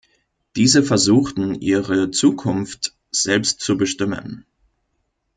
Diese versuchten, ihre Zukunft selbst zu bestimmen.